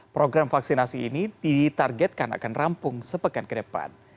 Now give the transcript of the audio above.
program vaksinasi ini ditargetkan akan rampung sepekan ke depan